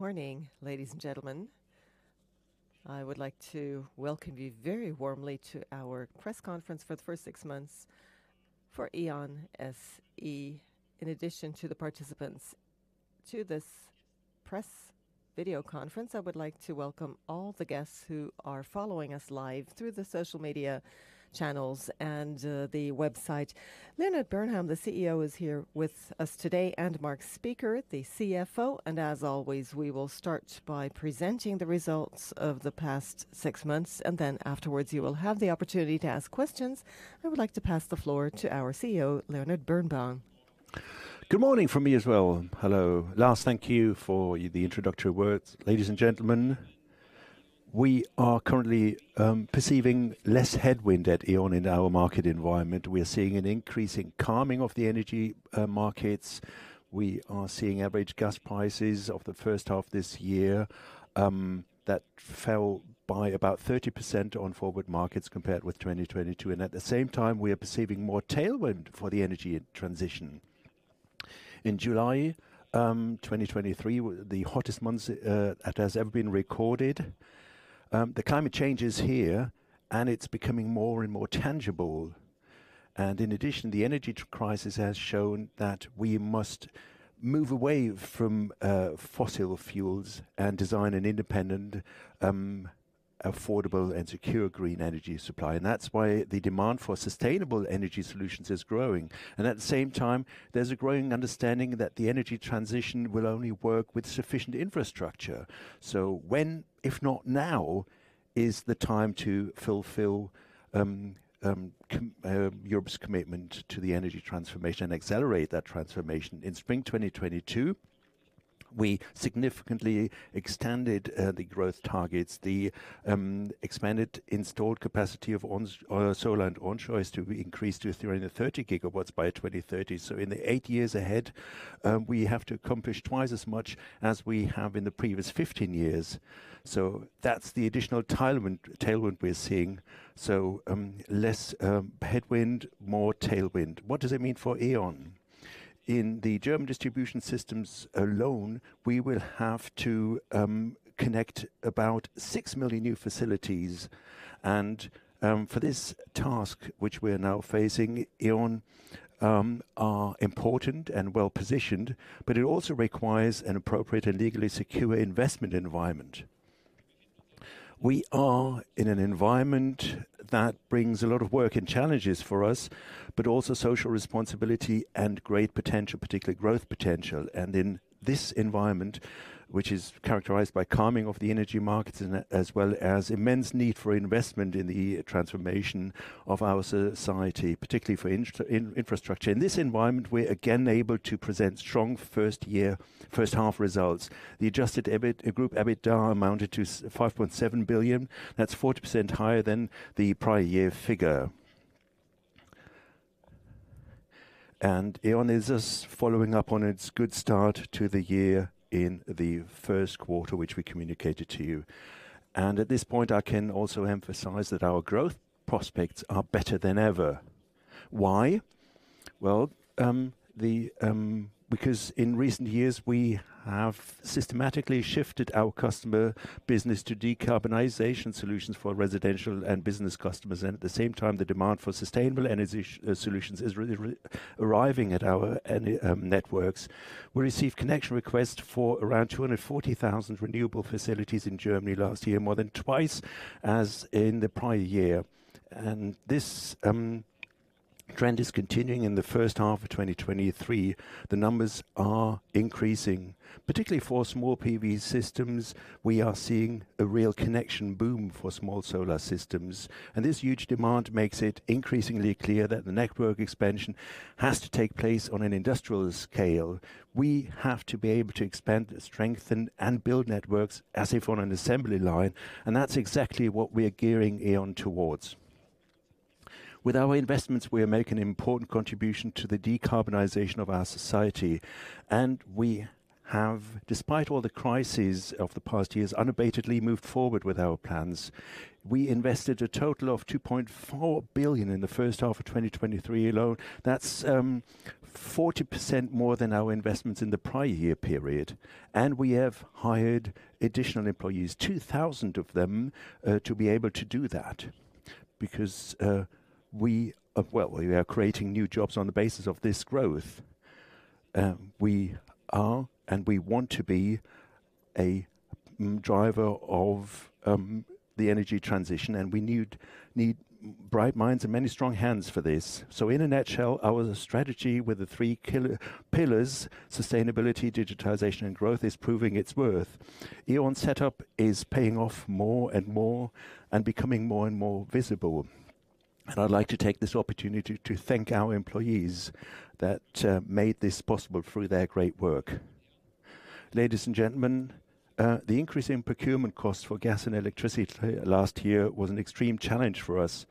Morning, ladies and gentlemen. I would like to welcome you very warmly to our press conference for the first six months for E.ON SE. In addition to the participants to this press video conference, I would like to welcome all the guests who are following us live through the social media channels and the website. Leonhard Birnbaum, the CEO, is here with us today, and Marc Spieker, the CFO. As always, we will start by presenting the results of the past six months, and then afterwards, you will have the opportunity to ask questions. I would like to pass the floor to our CEO, Leonhard Birnbaum. Good morning from me as well. Hello. Lars, thank you for the introductory words. Ladies and gentlemen, we are currently perceiving less headwind at E.ON in our market environment. We are seeing an increasing calming of the energy markets. We are seeing average gas prices of the first half this year that fell by about 30% on forward markets compared with 2022, and at the same time, we are perceiving more tailwind for the energy transition. In July, 2023, the hottest months that has ever been recorded. The climate change is here, and it's becoming more and more tangible. In addition, the energy crisis has shown that we must move away from fossil fuels and design an independent, affordable and secure green energy supply. That's why the demand for sustainable energy solutions is growing, and at the same time, there's a growing understanding that the energy transition will only work with sufficient infrastructure. So when, if not now, is the time to fulfill Europe's commitment to the energy transformation and accelerate that transformation? In spring 2022, we significantly extended the growth targets. The expanded installed capacity of solar and onshore is to be increased to 330 gigawatts by 2030. In the eight years ahead, we have to accomplish twice as much as we have in the previous 15 years. That's the additional tilewind, tailwind we're seeing. Less headwind, more tailwind. What does it mean for E.ON? In the German distribution systems alone, we will have to connect about six million new facilities. For this task, which we are now facing, E.ON are important and well-positioned, but it also requires an appropriate and legally secure investment environment. We are in an environment that brings a lot of work and challenges for us, but also social responsibility and great potential, particularly growth potential. In this environment, which is characterized by calming of the energy markets as well as immense need for investment in the transformation of our society, particularly for infrastructure. In this environment, we're again able to present strong first year, first half results. The adjusted EBIT, Group EBITDA, amounted to 5.7 billion. That's 40% higher than the prior year figure. E.ON is just following up on its good start to the year in the first quarter, which we communicated to you. At this point, I can also emphasize that our growth prospects are better than ever. Why? Well, because in recent years, we have systematically shifted our customer business to decarbonization solutions for residential and business customers, and at the same time, the demand for sustainable energy solutions is arriving at our networks. We received connection requests for around 240,000 renewable facilities in Germany last year, more than twice as in the prior year. This trend is continuing in the first half of 2023. The numbers are increasing, particularly for small PV systems. We are seeing a real connection boom for small solar systems. This huge demand makes it increasingly clear that the network expansion has to take place on an industrial scale. We have to be able to expand, strengthen, and build networks as if on an assembly line, that's exactly what we are gearing E.ON towards. With our investments, we are making an important contribution to the decarbonization of our society, we have, despite all the crises of the past years, unabatedly moved forward with our plans. We invested a total of 2.4 billion in the first half of 2023 alone. That's 40% more than our investments in the prior year period, we have hired additional employees, 2,000 of them, to be able to do that, because we, well, we are creating new jobs on the basis of this growth. We are, we want to be a driver of the energy transition, we need bright minds and many strong hands for this. In a nutshell, our strategy with the three pillars, sustainability, digitization, and growth, is proving its worth. E.ON setup is paying off more and more and becoming more and more visible. I'd like to take this opportunity to thank our employees that made this possible through their great work. Ladies and gentlemen, the increase in procurement costs for gas and electricity last year was an extreme challenge for us,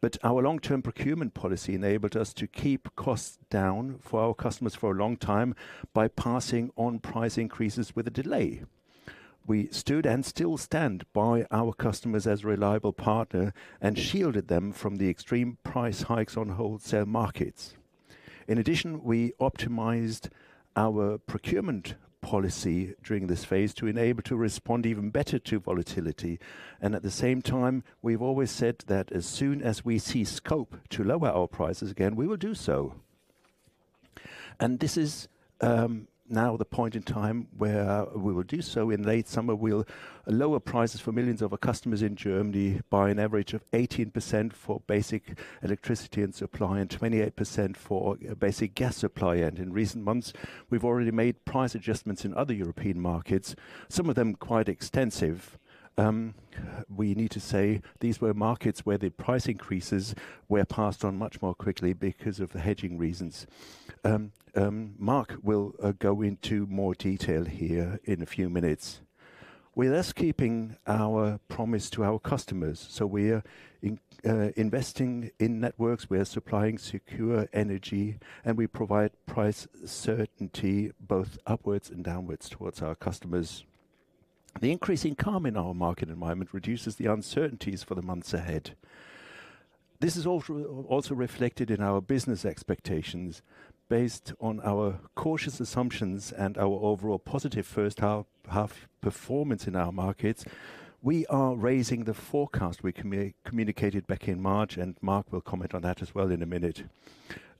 but our long-term procurement policy enabled us to keep costs down for our customers for a long time by passing on price increases with a delay. We stood and still stand by our customers as a reliable partner and shielded them from the extreme price hikes on wholesale markets. In addition, we optimized our procurement policy during this phase to enable to respond even better to volatility. At the same time, we've always said that as soon as we see scope to lower our prices again, we will do so. This is now the point in time where we will do so. In late summer, we'll lower prices for millions of our customers in Germany by an average of 18% for basic electricity and supply, and 28% for basic gas supply. In recent months, we've already made price adjustments in other European markets, some of them quite extensive. We need to say these were markets where the price increases were passed on much more quickly because of the hedging reasons. Marc will go into more detail here in a few minutes. We're thus keeping our promise to our customers. We are investing in networks, we are supplying secure energy, and we provide price certainty both upwards and downwards towards our customers. The increasing calm in our market environment reduces the uncertainties for the months ahead. This is also reflected in our business expectations. Based on our cautious assumptions and our overall positive first half performance in our markets, we are raising the forecast we communicated back in March, and Marc will comment on that as well in a minute.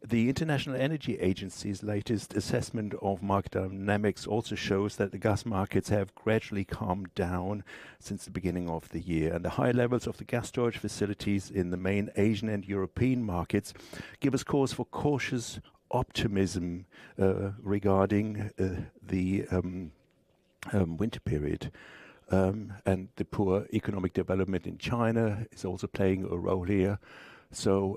The International Energy Agency's latest assessment of market dynamics also shows that the gas markets have gradually calmed down since the beginning of the year, and the high levels of the gas storage facilities in the main Asian and European markets give us cause for cautious optimism regarding the winter period. The poor economic development in China is also playing a role here,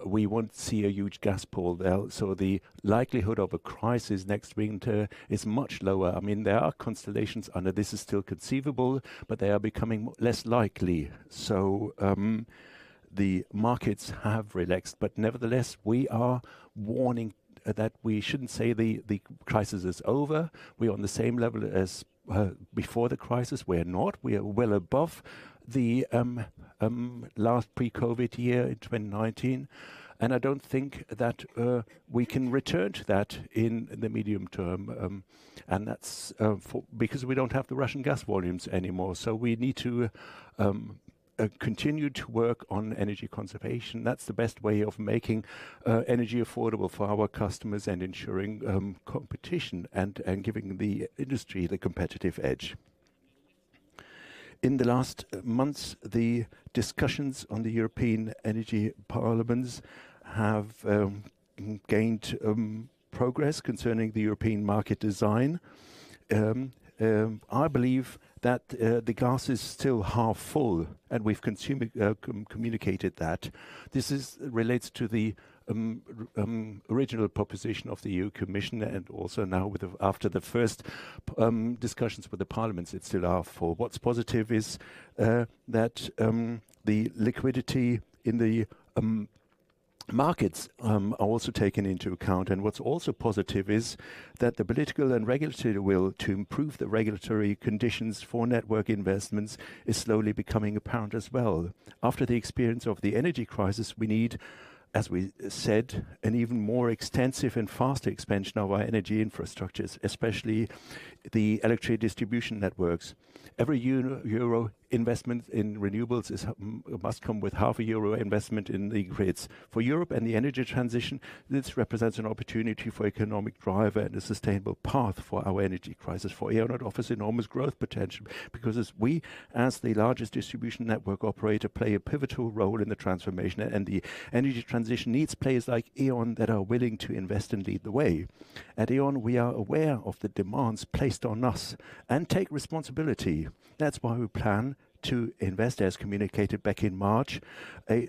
we won't see a huge gas pool there. The likelihood of a crisis next winter is much lower. I mean, there are constellations under this is still conceivable, but they are becoming less likely. The markets have relaxed, but nevertheless, we are warning that we shouldn't say the crisis is over. We're on the same level as before the crisis. We're not. We are well above the last pre-COVID year in 2019, I don't think that we can return to that in the medium term, that's for because we don't have the Russian gas volumes anymore. We need to continue to work on energy conservation. That's the best way of making energy affordable for our customers and ensuring competition and, and giving the industry the competitive edge. In the last months, the discussions on the European energy parliaments have gained progress concerning the European market design. I believe that the glass is still half full, and we've communicated that. This is related to the original proposition of the EU Commission and also now with the, after the first discussions with the parliaments, it's still half full. What's positive is that the liquidity in the markets are also taken into account. What's also positive is that the political and regulatory will to improve the regulatory conditions for network investments is slowly becoming apparent as well. After the experience of the energy crisis, we need, as we said, an even more extensive and faster expansion of our energy infrastructures, especially the electric distribution networks. Every euro investment in renewables is must come with EUR 0.5 investment in the grids. For Europe and the energy transition, this represents an opportunity for economic driver and a sustainable path for our energy crisis. For E.ON, it offers enormous growth potential because as we, as the largest distribution network operator, play a pivotal role in the transformation, and the energy transition needs players like E.ON that are willing to invest and lead the way. At E.ON, we are aware of the demands placed on us and take responsibility. That's why we plan to invest, as communicated back in March, a,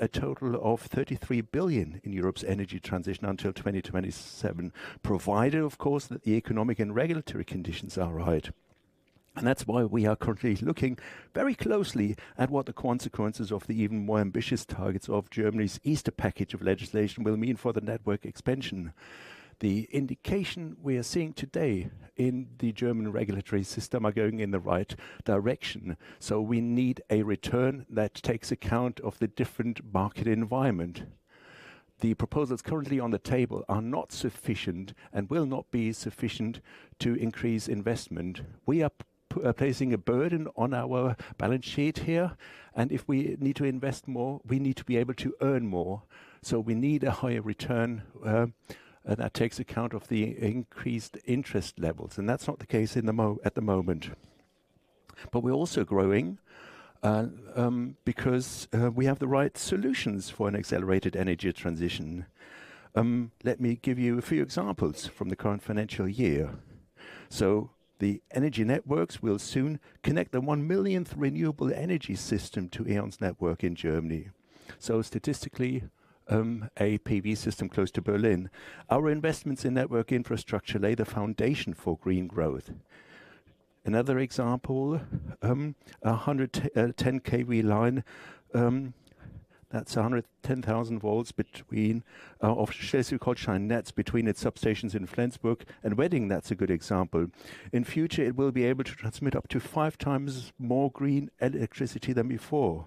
a total of 33 billion in Europe's energy transition until 2027, provided, of course, that the economic and regulatory conditions are right. That's why we are currently looking very closely at what the consequences of the even more ambitious targets of Germany's Easter package of legislation will mean for the network expansion. The indication we are seeing today in the German regulatory system are going in the right direction. We need a return that takes account of the different market environment. The proposals currently on the table are not sufficient and will not be sufficient to increase investment. We are placing a burden on our balance sheet here, and if we need to invest more, we need to be able to earn more. We need a higher return that takes account of the increased interest levels, and that's not the case at the moment. We're also growing because we have the right solutions for an accelerated energy transition. Let me give you a few examples from the current financial year. The Energy Networks will soon connect the on millionth renewable energy system to E.ON's network in Germany. Statistically, a PV system close to Berlin. Our investments in network infrastructure lay the foundation for green growth. Another example, a 110 KV line. That's 110,000 volts of Schleswig-Holstein Netz between its substations in Flensburg and Wedding, that's a good example. In future, it will be able to transmit up to five times more green electricity than before.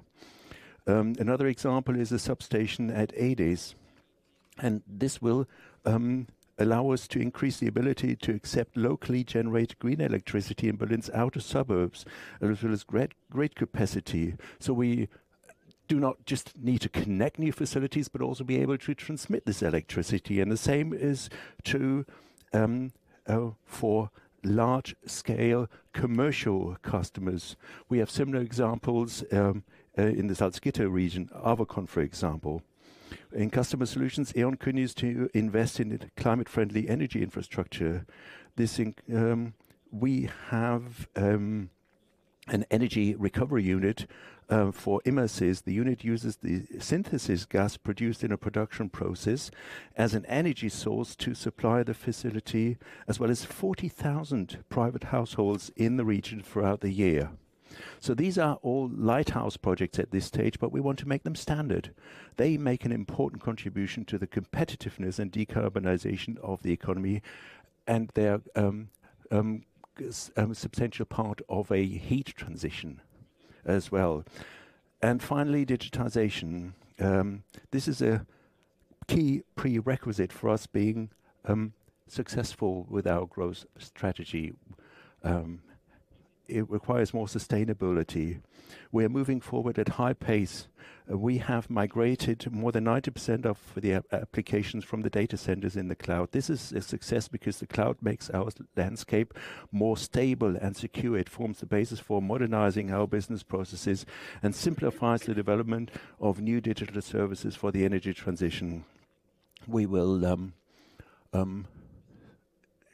Another example is a substation at Ahrensfelde, this will allow us to increase the ability to accept locally generated green electricity in Berlin's outer suburbs as well as great, great capacity. We do not just need to connect new facilities, but also be able to transmit this electricity. The same is true for large-scale commercial customers. We have similar examples in the South Gifhorn region, Avacon, for example. In Customer Solutions, E.ON continues to invest in the climate-friendly energy infrastructure. This we have an energy recovery unit for Imerys. The unit uses the synthesis gas produced in a production process as an energy source to supply the facility, as well as 40,000 private households in the region throughout the year. These are all lighthouse projects at this stage, but we want to make them standard. They make an important contribution to the competitiveness and decarbonization of the economy, they're a substantial part of a heat transition as well. Finally, digitization. This is a key prerequisite for us being successful with our growth strategy. It requires more sustainability. We're moving forward at high pace, and we have migrated more than 90% of the applications from the data centers in the cloud. This is a success because the cloud makes our landscape more stable and secure. It forms the basis for modernizing our business processes and simplifies the development of new digital services for the energy transition. We will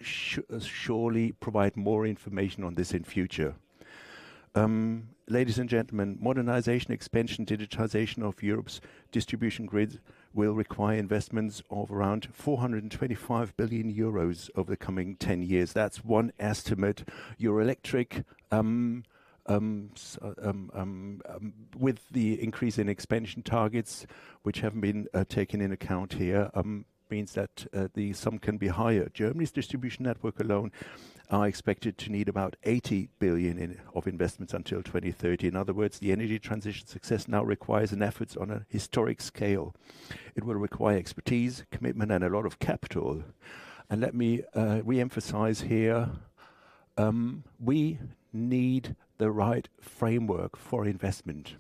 surely provide more information on this in future. Ladies and gentlemen, modernization, expansion, digitization of Europe's distribution grids will require investments of around 425 billion euros over the coming 10 years. That's one estimate. Eurelectric with the increase in expansion targets, which haven't been taken into account here, means that the sum can be higher. Germany's distribution network alone are expected to need about 80 billion of investments until 2030. In other words, the energy transition success now requires an efforts on a historic scale. It will require expertise, commitment and a lot of capital. Let me re-emphasize here, we need the right framework for investment,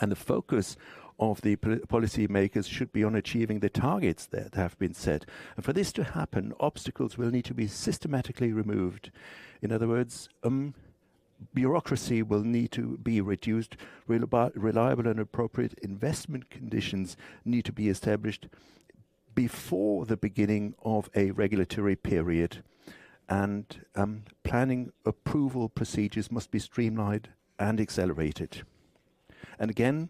and the focus of the policymakers should be on achieving the targets that have been set. For this to happen, obstacles will need to be systematically removed. In other words, bureaucracy will need to be reduced. reliable and appropriate investment conditions need to be established before the beginning of a regulatory period, and planning approval procedures must be streamlined and accelerated. Again,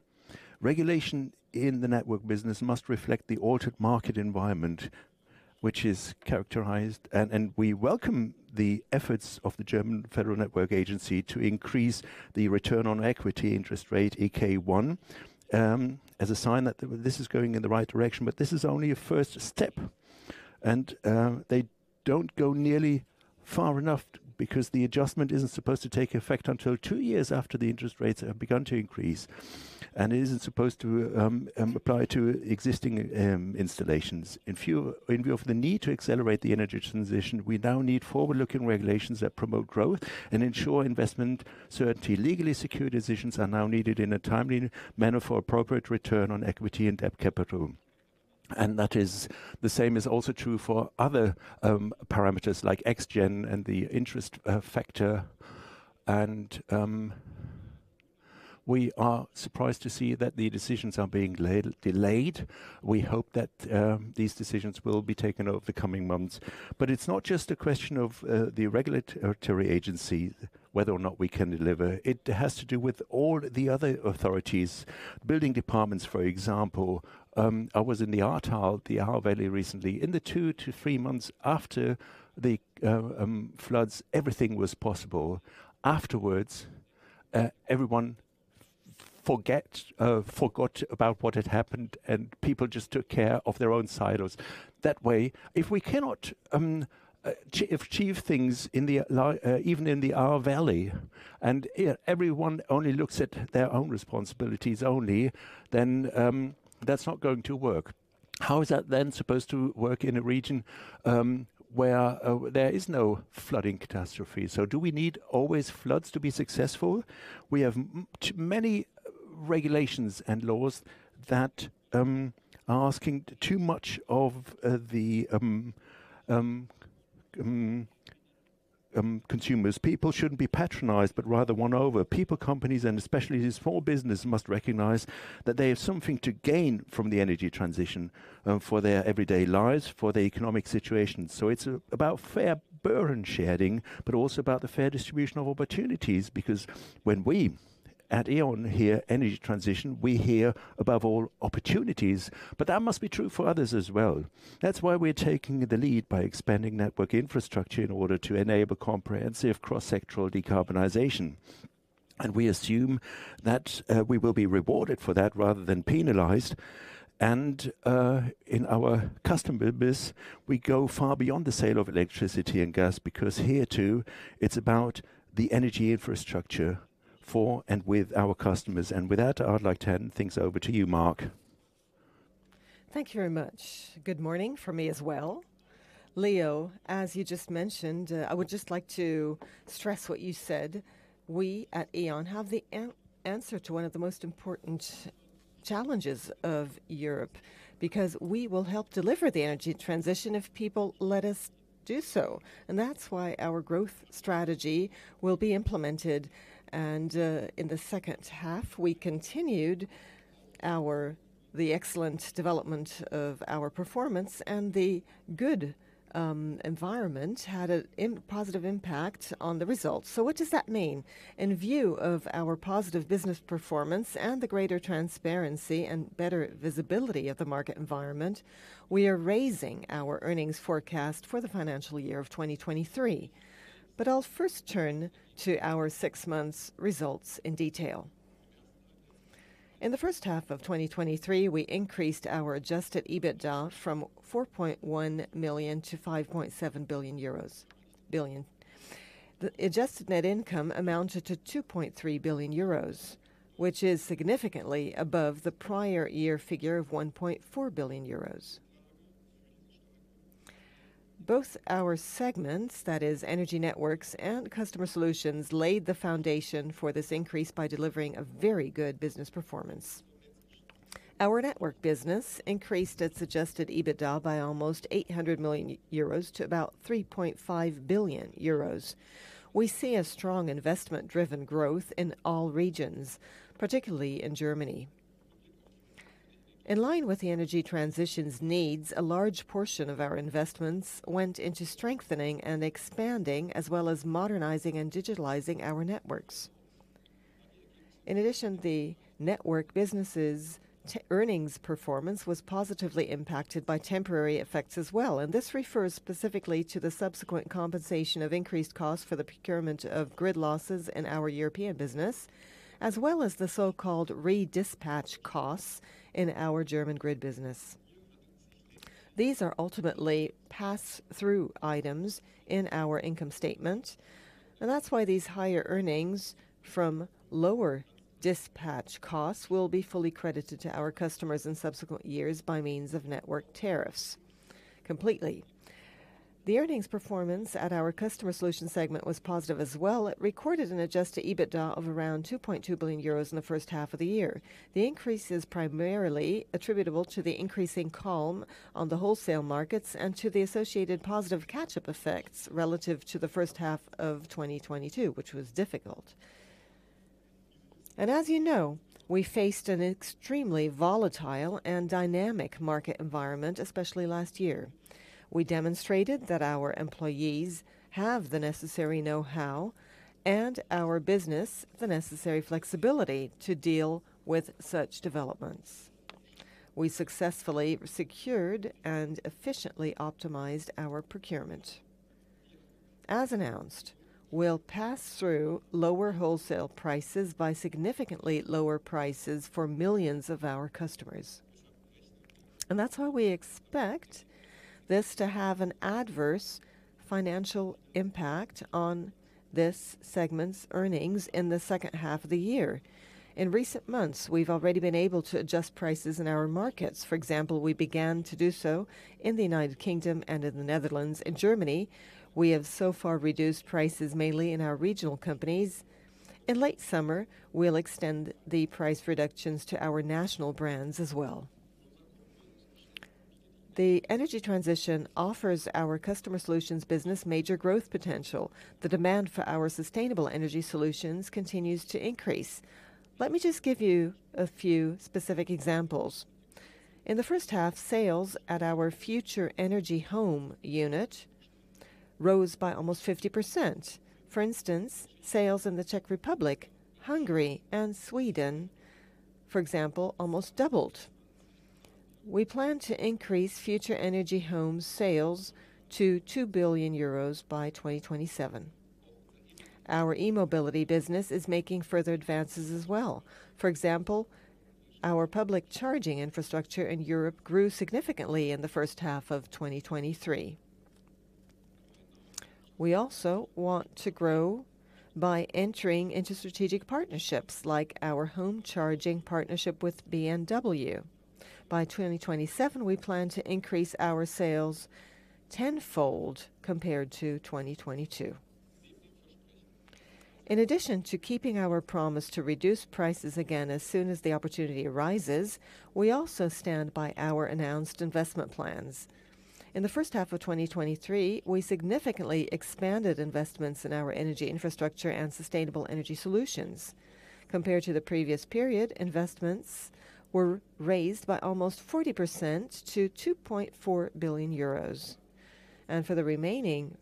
regulation in the network business must reflect the altered market environment, which is characterized. And we welcome the efforts of the German Federal Network Agency to increase the return on equity interest rate, EK1, as a sign that this is going in the right direction. This is only a first step, and they don't go nearly far enough because the adjustment isn't supposed to take effect until two years after the interest rates have begun to increase, and it isn't supposed to apply to existing installations. In view of the need to accelerate the energy transition, we now need forward-looking regulations that promote growth and ensure investment certainty. Legally secure decisions are now needed in a timely manner for appropriate return on equity and debt capital, that is the same is also true for other parameters like Xgen and the interest factor. We are surprised to see that the decisions are being delayed. We hope that these decisions will be taken over the coming months. It's not just a question of the regulatory agency, whether or not we can deliver. It has to do with all the other authorities, building departments, for example. I was in the Ahrtal, the Ahr Valley, recently. In the two to three months after the floods, everything was possible. Afterwards, everyone forget forgot about what had happened, and people just took care of their own silos. That way, if we cannot achieve things even in the Ahr Valley, and everyone only looks at their own responsibilities only, then that's not going to work. How is that then supposed to work in a region where there is no flooding catastrophe? Do we need always floods to be successful? We have too many regulations and laws that are asking too much of the consumers. People shouldn't be patronized, but rather won over. People, companies, and especially the small business, must recognize that they have something to gain from the energy transition for their everyday lives, for the economic situation. It's about fair burden-sharing, but also about the fair distribution of opportunities, because when we at E.ON hear energy transition, we hear, above all, opportunities, but that must be true for others as well. That's why we're taking the lead by expanding network infrastructure in order to enable comprehensive cross-sectoral decarbonization. We assume that we will be rewarded for that rather than penalized. In our customer business, we go far beyond the sale of electricity and gas, because here, too, it's about the energy infrastructure for and with our customers. With that, I would like to hand things over to you, Marc. Thank you very much. Good morning from me as well. Leo, as you just mentioned, I would just like to stress what you said. We at E.ON have the answer to one of the most important challenges of Europe, because we will help deliver the energy transition if people let us do so, and that's why our growth strategy will be implemented. In the second half, we continued the excellent development of our performance, and the good, environment had a positive impact on the results. What does that mean? In view of our positive business performance and the greater transparency and better visibility of the market environment, we are raising our earnings forecast for the financial year of 2023. I'll first turn to our six months results in detail. In the first half of 2023, we increased our adjusted EBITDA from 4.1 million to 5.7 billion euros. The adjusted net income amounted to 2.3 billion euros, which is significantly above the prior year figure of 1.4 billion euros. Both our segments, that is, Energy Networks and Customer Solutions, laid the foundation for this increase by delivering a very good business performance. Our network business increased its adjusted EBITDA by almost 800 million euros to about 3.5 billion euros. We see a strong investment-driven growth in all regions, particularly in Germany. In line with the energy transition's needs, a large portion of our investments went into strengthening and expanding, as well as modernizing and digitalizing our networks. In addition, the network business's earnings performance was positively impacted by temporary effects as well. This refers specifically to the subsequent compensation of increased costs for the procurement of grid losses in our European business, as well as the so-called redispatch costs in our German grid business. These are ultimately pass-through items in our income statement. That's why these higher earnings from lower dispatch costs will be fully credited to our customers in subsequent years by means of network tariffs. Completely. The earnings performance at our Customer Solutions segment was positive as well. It recorded an adjusted EBITDA of around 2.2 billion euros in the first half of the year. The increase is primarily attributable to the increasing calm on the wholesale markets and to the associated positive catch-up effects relative to the first half of 2022, which was difficult. As you know, we faced an extremely volatile and dynamic market environment, especially last year. We demonstrated that our employees have the necessary know-how and our business, the necessary flexibility to deal with such developments. We successfully secured and efficiently optimized our procurement. As announced, we'll pass through lower wholesale prices by significantly lower prices for millions of our customers, and that's why we expect this to have an adverse financial impact on this segment's earnings in the second half of the year. In recent months, we've already been able to adjust prices in our markets. For example, we began to do so in the United Kingdom and in the Netherlands. In Germany, we have so far reduced prices, mainly in our regional companies. In late summer, we'll extend the price reductions to our national brands as well. The energy transition offers our Customer Solutions business major growth potential. The demand for our sustainable energy solutions continues to increase. Let me just give you a few specific examples. In the first half, sales at our Future Energy Home unit rose by almost 50%. For instance, sales in the Czech Republic, Hungary, and Sweden, for example, almost doubled. We plan to increase Future Energy Home sales to 2 billion euros by 2027. Our e-mobility business is making further advances as well. For example, our public charging infrastructure in Europe grew significantly in the first half of 2023. We also want to grow by entering into strategic partnerships, like our home charging partnership with BMW. By 2027, we plan to increase our sales tenfold compared to 2022. In addition to keeping our promise to reduce prices again as soon as the opportunity arises, we also stand by our announced investment plans. In the first half of 2023, we significantly expanded investments in our energy infrastructure and sustainable energy solutions. Compared to the previous period, investments were raised by almost 40% to 2.4 billion euros. For the remaining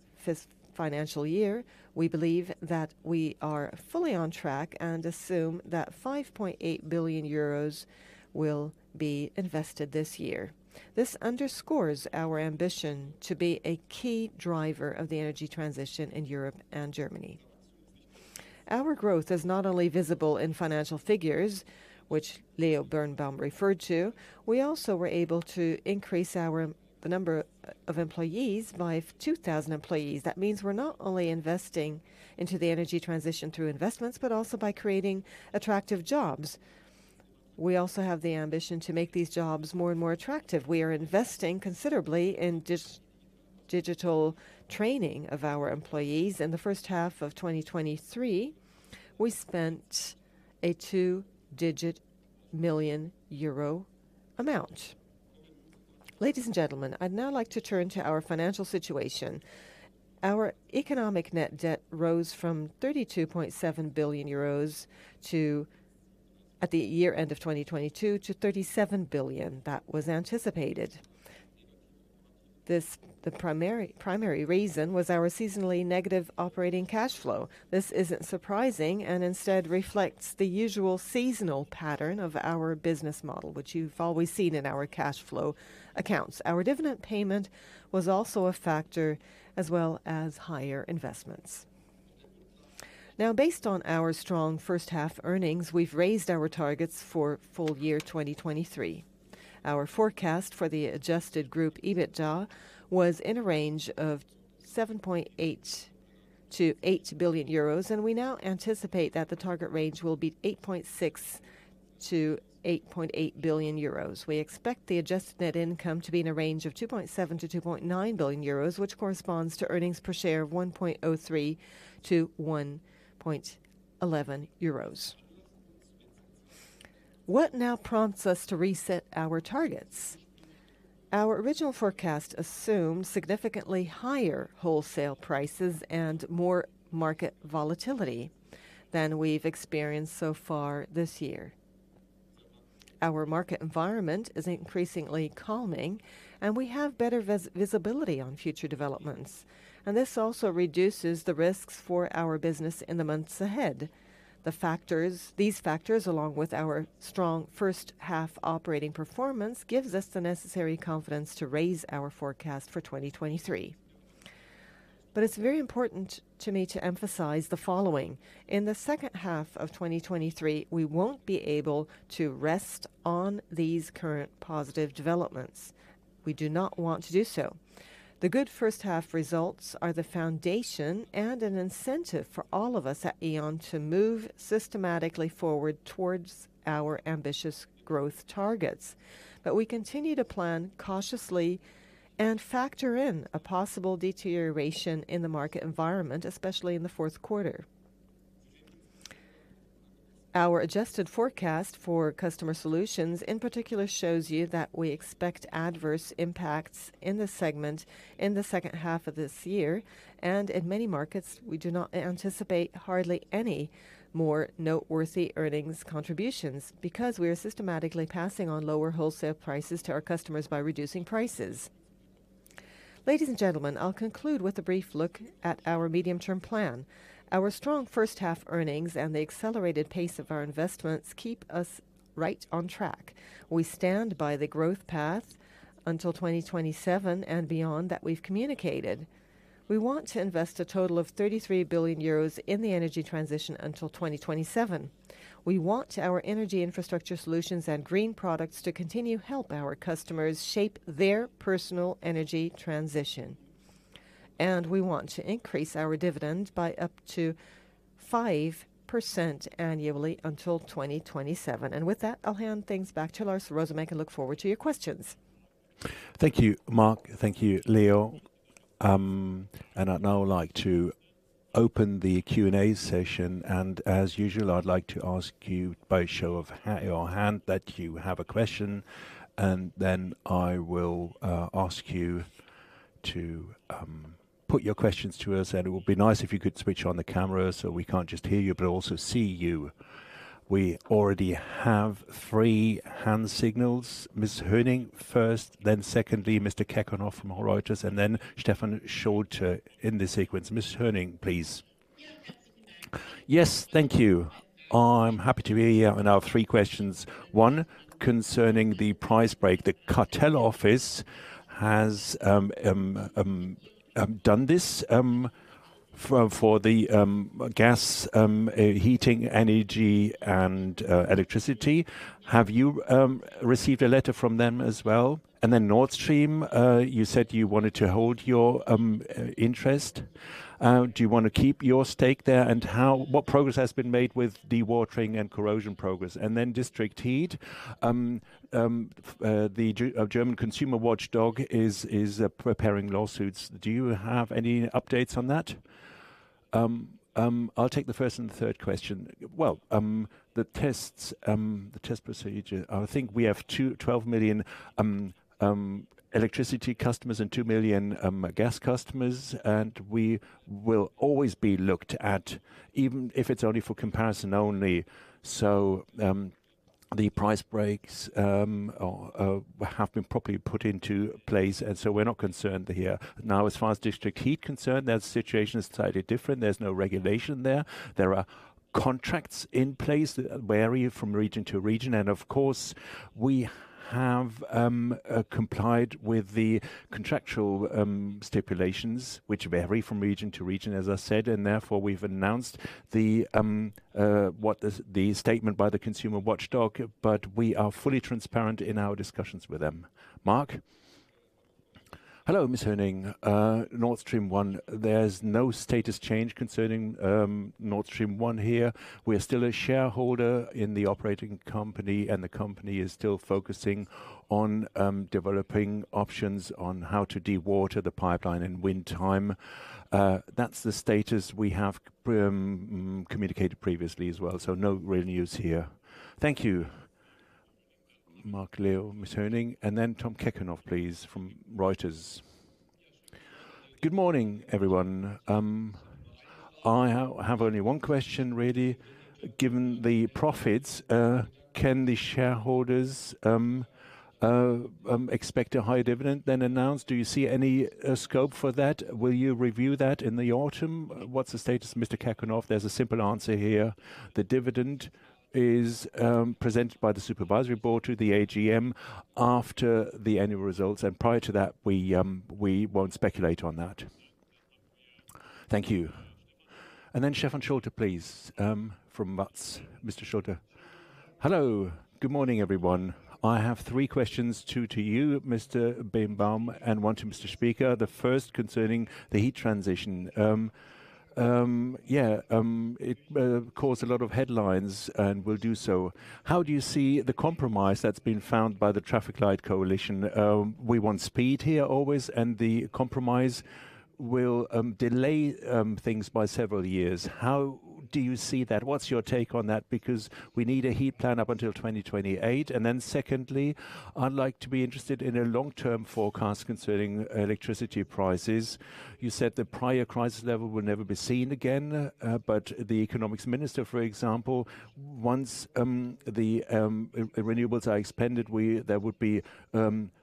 financial year, we believe that we are fully on track and assume that 5.8 billion euros will be invested this year. This underscores our ambition to be a key driver of the energy transition in Europe and Germany. Our growth is not only visible in financial figures, which Leo Birnbaum referred to, we also were able to increase our, the number of employees by 2,000 employees. That means we're not only investing into the energy transition through investments, but also by creating attractive jobs. We also have the ambition to make these jobs more and more attractive. We are investing considerably in digital training of our employees. In the first half of 2023, we spent a two-digit million euro amount. Ladies and gentlemen, I'd now like to turn to our financial situation. Our economic net debt rose from 32.7 billion euros to, at the year end of 2022, to 37 billion. That was anticipated. This, the primary reason was our seasonally negative operating cash flow. This isn't surprising and instead reflects the usual seasonal pattern of our business model, which you've always seen in our cash flow accounts. Our dividend payment was also a factor, as well as higher investments. Based on our strong first half earnings, we've raised our targets for full year 2023. Our forecast for the adjusted group EBITDA was in a range of 7.8 billion-8 billion euros, and we now anticipate that the target range will be 8.6 billion-8.8 billion euros. We expect the adjusted net income to be in a range of 2.7 billion-2.9 billion euros, which corresponds to earnings per share of 1.03-1.11 euros. What now prompts us to reset our targets? Our original forecast assumed significantly higher wholesale prices and more market volatility than we've experienced so far this year. Our market environment is increasingly calming, and we have better visibility on future developments, and this also reduces the risks for our business in the months ahead. These factors, along with our strong first half operating performance, gives us the necessary confidence to raise our forecast for 2023. It's very important to me to emphasize the following: in the second half of 2023, we won't be able to rest on these current positive developments. We do not want to do so. The good first half results are the foundation and an incentive for all of us at E.ON to move systematically forward towards our ambitious growth targets. We continue to plan cautiously and factor in a possible deterioration in the market environment, especially in the fourth quarter. Our adjusted forecast for Customer Solutions, in particular, shows you that we expect adverse impacts in this segment in the second half of this year. In many markets, we do not anticipate hardly any more noteworthy earnings contributions because we are systematically passing on lower wholesale prices to our customers by reducing prices. Ladies and gentlemen, I'll conclude with a brief look at our medium-term plan. Our strong first half earnings and the accelerated pace of our investments keep us right on track. We stand by the growth path until 2027 and beyond that we've communicated. We want to invest a total of 33 billion euros in the energy transition until 2027. We want our energy infrastructure solutions and green products to continue help our customers shape their personal energy transition. We want to increase our dividend by up to 5% annually until 2027. With that, I'll hand things back to Lars Rosumek and look forward to your questions. Thank you, Marc. Thank you, Leo. I'd now like to open the Q&A session, and as usual, I'd like to ask you by show of your hand that you have a question, and then I will ask you to put your questions to us. It would be nice if you could switch on the camera so we can't just hear you, but also see you. We already have three hand signals. Ms. Höning first, then secondly, Mr. Käckenhoff from Reuters, and then Stefan Schulte in this sequence. Ms. Höning, please. Yes, thank you. I'm happy to be here, and I have three questions. One, concerning the price break, the cartel office has done this for the gas heating, energy, and electricity. Have you received a letter from them as well? Nord Stream, you said you wanted to hold your interest. Do you want to keep your stake there? What progress has been made with dewatering and corrosion progress? District heat, the German consumer watchdog is, is, preparing lawsuits. Do you have any updates on that? I'll take the first and the third question. Well, the tests, the test procedure, I think we have 12 million electricity customers and 2 million gas customers, and we will always be looked at, even if it's only for comparison only. The price breaks have been properly put into place, and so we're not concerned here. As far as district heat concerned, that situation is slightly different. There's no regulation there. There are contracts in place that vary from region to region. Of course, we have complied with the contractual stipulations, which vary from region to region, as I said, and therefore we've announced the what is the statement by the consumer watchdog, but we are fully transparent in our discussions with them. Marc? Hello, Ms. Höning. Nord Stream 1. There's no status change concerning Nord Stream 1 here. We are still a shareholder in the operating company, and the company is still focusing on developing options on how to dewater the pipeline and win time. That's the status we have communicated previously as well, so no real news here. Thank you, Marc Leo, Ms. Höning, and then Tom Käckenhoff, please, from Reuters. Good morning, everyone. I have only one question really. Given the profits, can the shareholders expect a higher dividend than announced? Do you see any scope for that? Will you review that in the autumn? What's the status, Mr. Käckenhoff? There's a simple answer here. The dividend is presented by the supervisory board to the AGM after the annual results. Prior to that, we won't speculate on that. Thank you. Then Stefan Schulte, please, from RND Mr. Schulte. Hello. Good morning, everyone. I have three questions, two to you, Mr. Birnbaum, and 1 to Mr. Spieker. The first concerning the heat transition. Yeah, it caused a lot of headlines and will do so. How do you see the compromise that's been found by the Traffic Light coalition? We want speed here always. The compromise will delay things by several years. How do you see that? What's your take on that? Because we need a heat plan up until 2028. Secondly, I'd like to be interested in a long-term forecast concerning electricity prices. You said the prior crisis level will never be seen again, but the economics minister, for example, once the renewables are expanded, there would be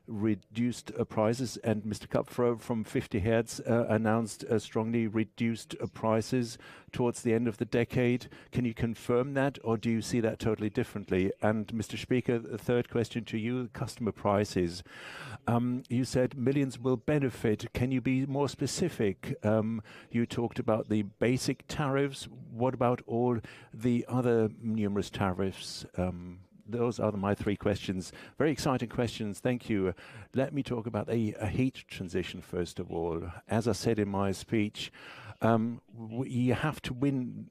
reduced prices, and Mr. Kapferer from 50Hertz announced strongly reduced prices towards the end of the decade. Can you confirm that, or do you see that totally differently? Mr. Spieker, the third question to you, customer prices. You said millions will benefit. Can you be more specific? You talked about the basic tariffs. What about all the other numerous tariffs? Those are my three questions. Very exciting questions. Thank you. Let me talk about the heat transition, first of all. As I said in my speech, you have to win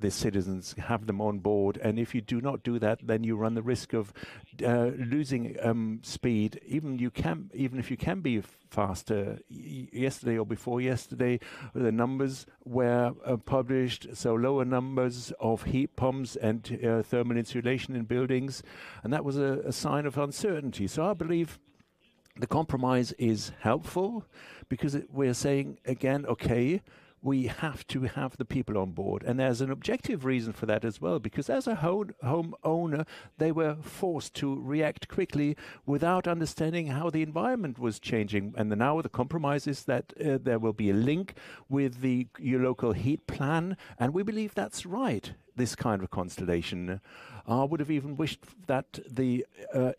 the citizens, have them on board, and if you do not do that, then you run the risk of losing speed, even you can even if you can be faster. Yesterday or before yesterday, the numbers were published, so lower numbers of heat pumps and thermal insulation in buildings, and that was a sign of uncertainty. I believe the compromise is helpful because it we're saying again, okay, we have to have the people on board. There's an objective reason for that as well, because as a home, home owner, they were forced to react quickly without understanding how the environment was changing. Now with the compromises, that there will be a link with the local heat plan, and we believe that's right, this kind of constellation. I would have even wished that the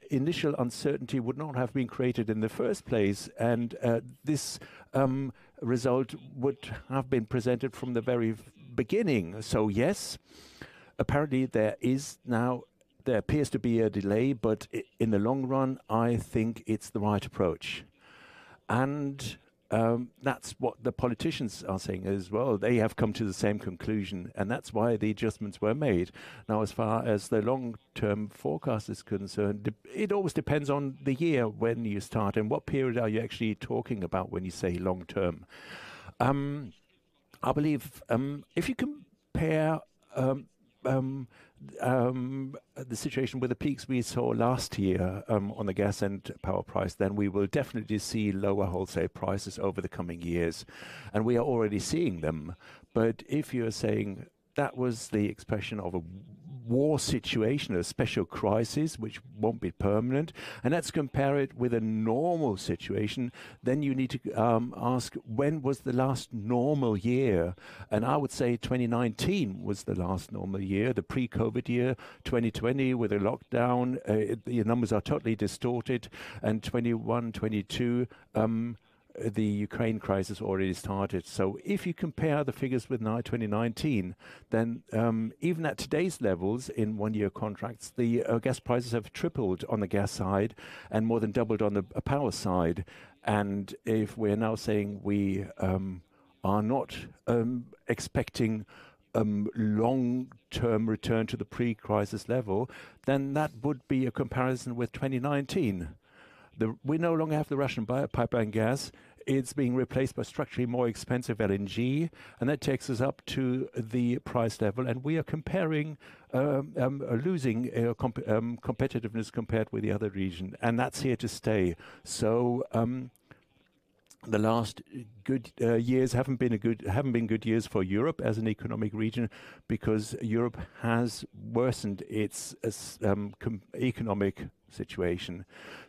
initial uncertainty would not have been created in the first place, and this result would have been presented from the very beginning. Yes, apparently there is now there appears to be a delay, but in the long run, I think it's the right approach. That's what the politicians are saying as well. They have come to the same conclusion, and that's why the adjustments were made. Now, as far as the long-term forecast is concerned, it always depends on the year when you start and what period are you actually talking about when you say long term. I believe, if you compare the situation with the peaks we saw last year, on the gas and power price, then we will definitely see lower wholesale prices over the coming years, and we are already seeing them. If you are saying that was the expression of a war situation, a special crisis, which won't be permanent, and let's compare it with a normal situation, then you need to ask: When was the last normal year? I would say 2019 was the last normal year, the pre-COVID year. 2020, with the lockdown, the numbers are totally distorted. 2021, 2022, the Ukraine crisis already started. If you compare the figures with now 2019, then even at today's levels, in one-year contracts, the gas prices have tripled on the gas side and more than doubled on the power side. If we're now saying we are not expecting long-term return to the pre-crisis level, then that would be a comparison with 2019. We no longer have the Russian pipeline gas. It's being replaced by structurally more expensive LNG, and that takes us up to the price level, and we are comparing losing competitiveness compared with the other region, and that's here to stay. The last good years haven't been good years for Europe as an economic region, because Europe has worsened its economic situation.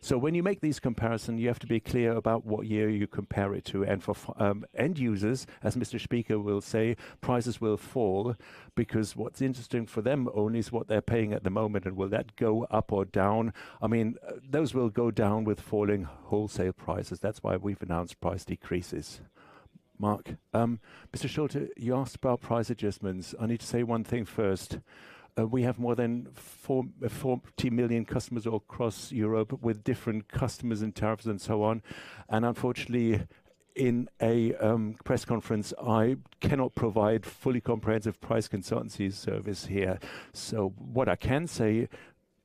When you make these comparison, you have to be clear about what year you compare it to. For end users, as Mr. Spieker will say, prices will fall because what's interesting for them only is what they're paying at the moment, and will that go up or down? I mean, those will go down with falling wholesale prices. That's why we've announced price decreases. Marc? Mr. Schulte, you asked about price adjustments. I need to say one thing first. We have more than four, 40 million customers across Europe, with different customers and tariffs and so on, and unfortunately, in a press conference, I cannot provide fully comprehensive price consultancy service here. What I can say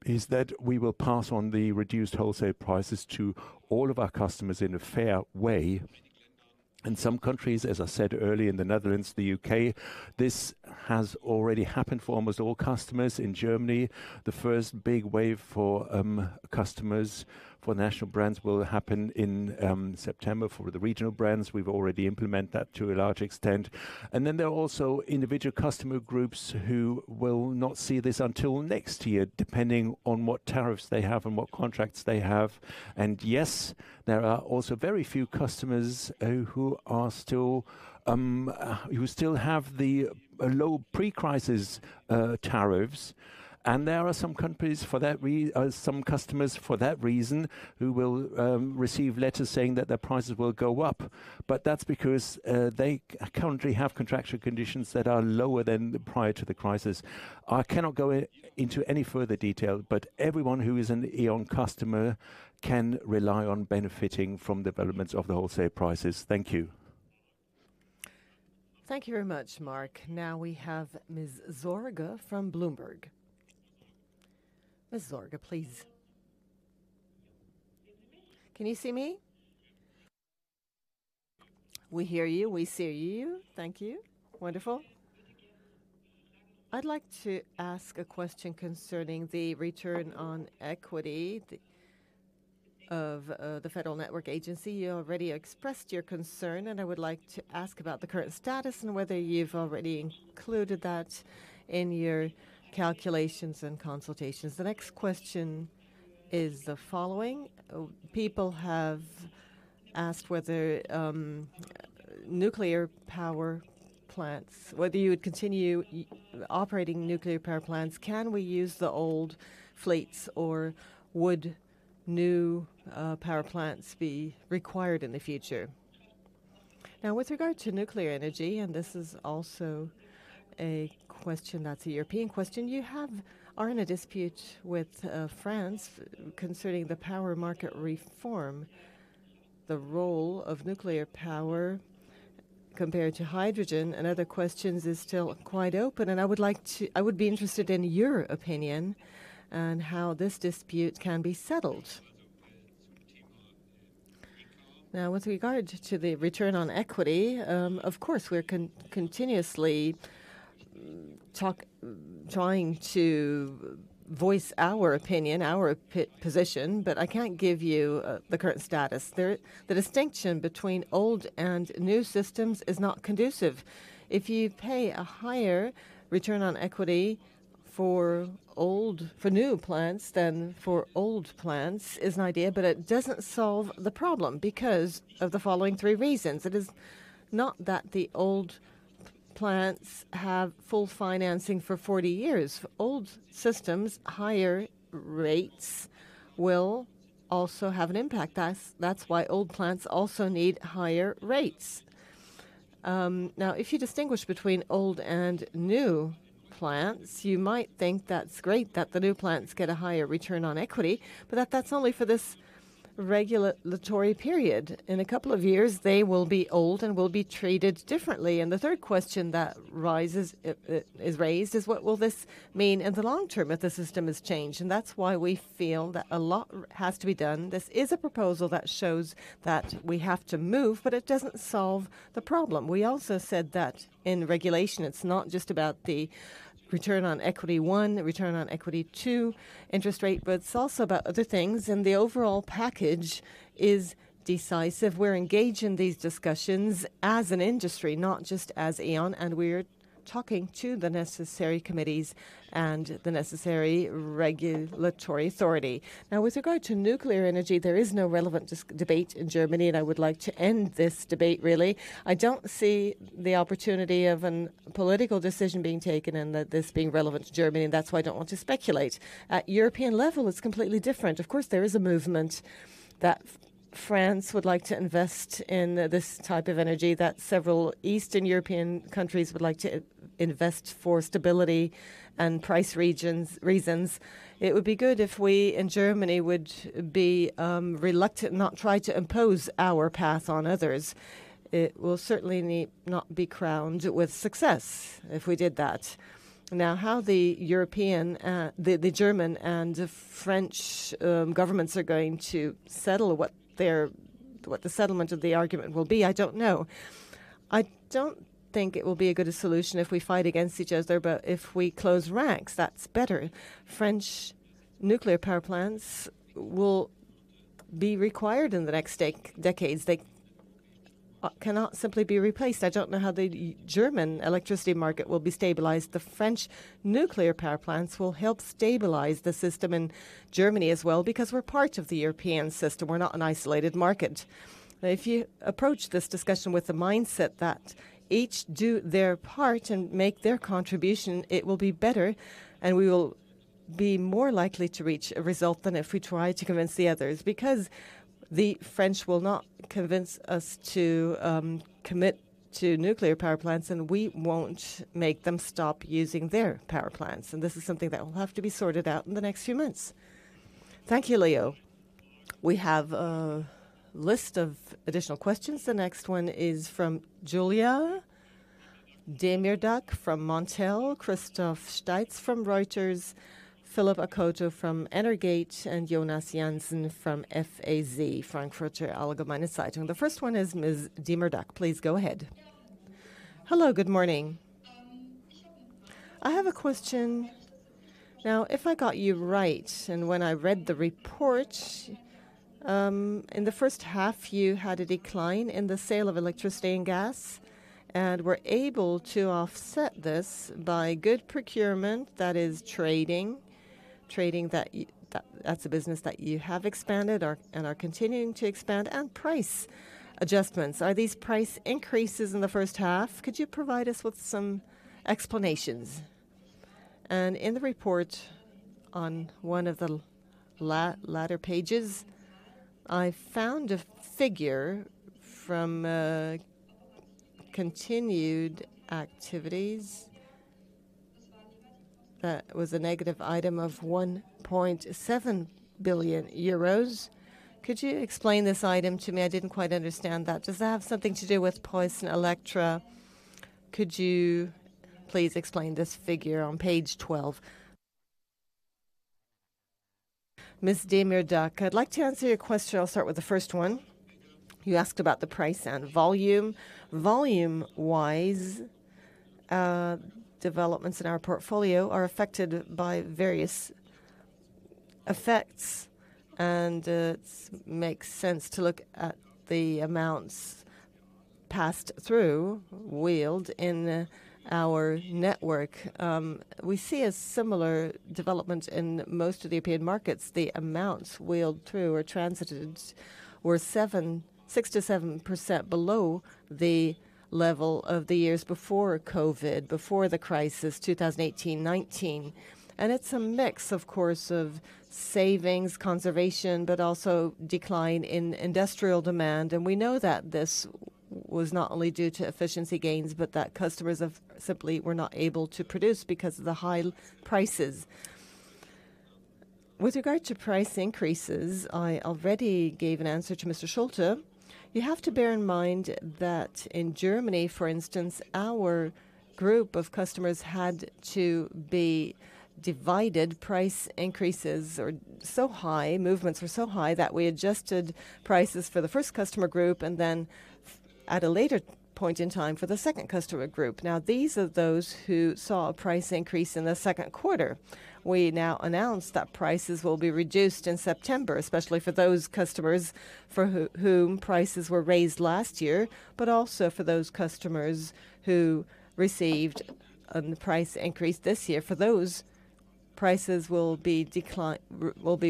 is that we will pass on the reduced wholesale prices to all of our customers in a fair way. In some countries, as I said earlier, in the Netherlands, the U.K., this has already happened for almost all customers. In Germany, the first big wave for customers for national brands will happen in September. For the regional brands, we've already implement that to a large extent. Then there are also individual customer groups who will not see this until next year, depending on what tariffs they have and what contracts they have. Yes, there are also very few customers who are still who still have the low pre-crisis tariffs. There are some companies for that some customers, for that reason, who will receive letters saying that their prices will go up. That's because they currently have contractual conditions that are lower than prior to the crisis. I cannot go into any further detail. Everyone who is an E.ON customer can rely on benefiting from developments of the wholesale prices. Thank you. Thank you very much, Marc. Now we have Ms. Sorge from Bloomberg. Ms. Sorge, please. Can you see me? Can you see me? We hear you. We see you. Thank you. Wonderful. I'd like to ask a question concerning the return on equity, the, of the Federal Network Agency. You already expressed your concern, I would like to ask about the current status and whether you've already included that in your calculations and consultations. The next question is the following: people have asked whether nuclear power plants, whether you would continue operating nuclear power plants. Can we use the old fleets, or would new power plants be required in the future? Now, with regard to nuclear energy, and this is also a question that's a European question, you are in a dispute with France concerning the power market reform. The role of nuclear power compared to hydrogen and other questions is still quite open, and I would be interested in your opinion on how this dispute can be settled. With regard to the return on equity, of course, we're continuously trying to voice our opinion, our position, but I can't give you the current status. There, the distinction between old and new systems is not conducive. If you pay a higher return on equity for new plants than for old plants, is an idea, but it doesn't solve the problem because of the following three reasons: It is not that the old plants have full financing for 40 years. For old systems, higher rates will also have an impact. That's why old plants also need higher rates. If you distinguish between old and new plants, you might think that's great that the new plants get a higher return on equity, but that's only for this regulatory period. In a couple of years, they will be old and will be treated differently. The third question that is raised, is: What will this mean in the long term if the system is changed? That's why we feel that a lot has to be done. This is a proposal that shows that we have to move, but it doesn't solve the problem. We also said that in regulation, it's not just about the return on equity 1, the return on equity 2, interest rate, but it's also about other things, and the overall package is decisive. We're engaged in these discussions as an industry, not just as E.ON, and we're talking to the necessary committees and the necessary regulatory authority. Now, with regard to nuclear energy, there is no relevant debate in Germany, and I would like to end this debate, really. I don't see the opportunity of an political decision being taken and that this being relevant to Germany, and that's why I don't want to speculate. At European level, it's completely different. Of course, there is a movement that France would like to invest in this type of energy, that several Eastern European countries would like to invest for stability and price regions, reasons. It would be good if we, in Germany, would be reluctant, not try to impose our path on others. It will certainly not be crowned with success if we did that. Now, how the European, the German and French governments are going to settle what their, what the settlement of the argument will be, I don't know. I don't think it will be a good solution if we fight against each other, but if we close ranks, that's better. French nuclear power plants will be required in the next decades. They cannot simply be replaced. I don't know how the German electricity market will be stabilized. The French nuclear power plants will help stabilize the system in Germany as well, because we're part of the European system. We're not an isolated market. If you approach this discussion with the mindset that each do their part and make their contribution, it will be better, and we will be more likely to reach a result than if we try to convince the others. The French will not convince us to commit to nuclear power plants, and we won't make them stop using their power plants. This is something that will have to be sorted out in the next few months. Thank you, Leo. We have a list of additional questions. The next one is from Juliette Demirdjian from Montel, Christoph Steitz from Reuters, Philip Akpobire from energate, and Jonas Jansen from FAZ, Frankfurter Allgemeine Zeitung. The first one is Ms. Demirdjian. Please go ahead. Hello, good morning. I have a question. If I got you right, and when I read the report, in the first half, you had a decline in the sale of electricity and gas, and were able to offset this by good procurement, that is trading. Trading that, that's a business that you have expanded or, and are continuing to expand, and price adjustments. Are these price increases in the first half? Could you provide us with some explanations? In the report, on one of the la-latter pages, I found a figure from continued activities that was a negative item of 1.7 billion euros. Could you explain this item to me? I didn't quite understand that. Does that have something to do with PreussenElektra? Could you please explain this figure on page 12? Ms. Demirdjian, I'd like to answer your question. I'll start with the first one. You asked about the price and volume. Volume-wise, developments in our portfolio are affected by various effects, and it makes sense to look at the amounts passed through, wheeled in, our network. We see a similar development in most of the European markets. The amounts wheeled through or transited were 6%-7% below the level of the years before COVID, before the crisis, 2018, 2019. It's a mix, of course, of savings, conservation, but also decline in industrial demand. We know that this was not only due to efficiency gains, but that customers simply were not able to produce because of the high prices. With regard to price increases, I already gave an answer to Mr. Schulte. You have to bear in mind that in Germany, for instance, our group of customers had to be divided. Price increases are so high, movements were so high, that we adjusted prices for the first customer group and then, at a later point in time, for the second customer group. These are those who saw a price increase in the second quarter. We now announced that prices will be reduced in September, especially for those customers for whom prices were raised last year, but also for those customers who received price increase this year. For those, prices will be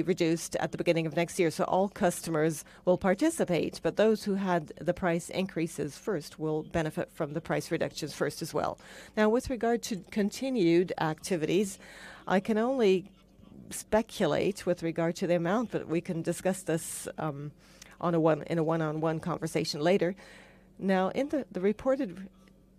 reduced at the beginning of next year. All customers will participate, but those who had the price increases first, will benefit from the price reductions first as well. With regard to continued activities, I can only speculate with regard to the amount, but we can discuss this in a one-on-one conversation later. The reported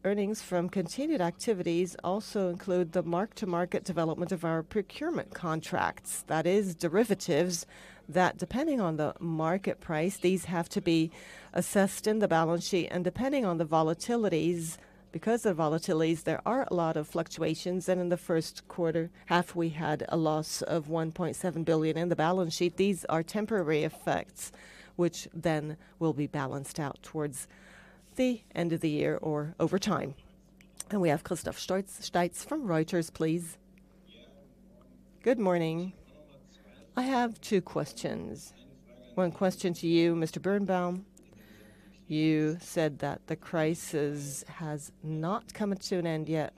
earnings from continued activities also include the mark-to-market development of our procurement contracts. That is, derivatives, that depending on the market price, these have to be assessed in the balance sheet, and depending on the volatilities, because of volatilities, there are a lot of fluctuations, and in the first quarter, half, we had a loss of 1.7 billion in the balance sheet. These are temporary effects, which then will be balanced out towards the end of the year or over time. We have Christoph Steitz from Reuters, please. Yeah. Good morning. I have two questions. One question to you, Mr. Birnbaum: You said that the crisis has not come to an end yet.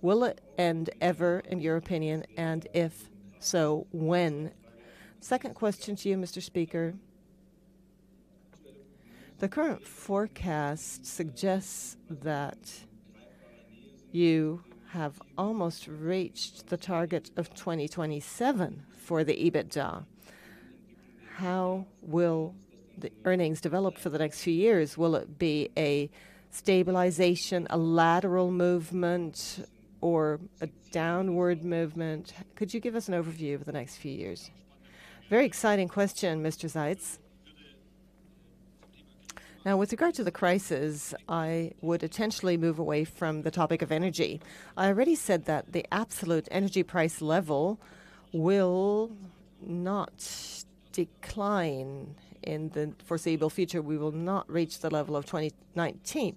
Will it end ever, in your opinion, and if so, when? Second question to you, Mr. Spieker: The current forecast suggests that you have almost reached the target of 2027 for the EBITDA. How will the earnings develop for the next few years? Will it be a stabilization, a lateral movement, or a downward movement? Could you give us an overview of the next few years? Very exciting question, Mr. Steitz. With regard to the crisis, I would intentionally move away from the topic of energy. I already said that the absolute energy price level will not decline in the foreseeable future, we will not reach the level of 2019.